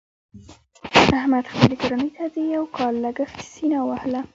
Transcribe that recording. احمد خپلې کورنۍ ته د یو کال لګښت سینه ووهله.